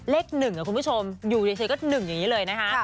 เลข๑คุณผู้ชมอยู่เฉยก็๑อย่างนี้เลยนะคะ